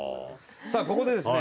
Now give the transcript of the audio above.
さあここでですね